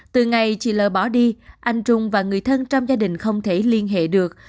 từ ngày chị l bỏ đi anh trung và người thân trong gia đình không thể liên hệ được